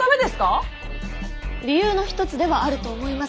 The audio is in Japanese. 理由の一つではあると思います。